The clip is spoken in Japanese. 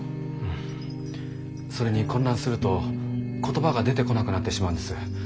それに混乱すると言葉が出てこなくなってしまうんです。